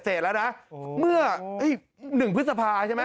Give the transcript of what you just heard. เศษแล้วนะอ๋อเมื่อไอ้หนึ่งพฤษภาใช่ไหม